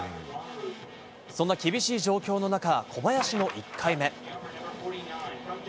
そんな厳しい状況の中小林の１回目。